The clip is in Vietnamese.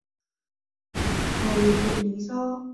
Hà liền biện lý do